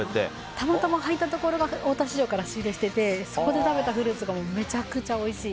たまたま入ったところが大田市場から仕入れしていてそこで食べたフルーツがめちゃくちゃおいしい。